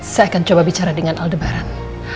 saya akan coba bicara dengan aldebaran